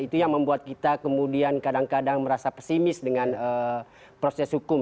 itu yang membuat kita kemudian kadang kadang merasa pesimis dengan proses hukum